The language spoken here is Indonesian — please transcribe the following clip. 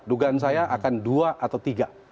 dugaan saya akan dua atau tiga